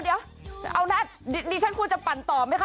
เดี๋ยวเอานะดิฉันควรจะปั่นต่อไหมคะ